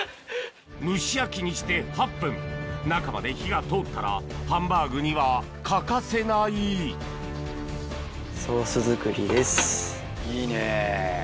蒸し焼きにして８分中まで火が通ったらハンバーグには欠かせないいいねぇ。